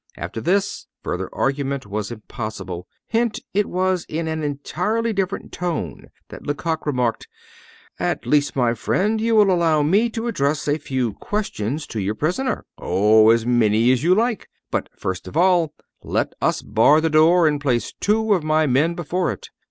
After this further argument was impossible; hence it was in an entirely different tone that Lecoq remarked: "At least, my friend, you will allow me to address a few questions to your prisoner." "Oh! as many as you like. But first of all, let us bar the door and place two of my men before it.